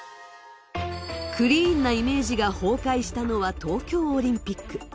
クリーンなイメージが崩壊したのは東京オリンピック。